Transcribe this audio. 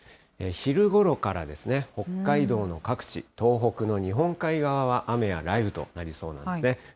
昼ごろからですね、北海道の各地、東北の日本海側は雨や雷雨となりそうなんですね。